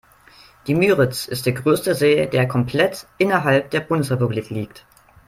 Die Müritz ist der größte See, der komplett innerhalb der Bundesrepublik liegt.